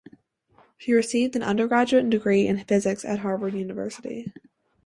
She received an undergraduate degree in physics at Harvard University.